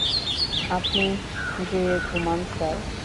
আপনি যেয়ে ঘুমান, স্যার।